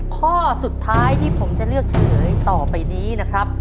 ข้อสุดท้ายที่ผมจะเลือกเฉลยต่อไปนี้นะครับ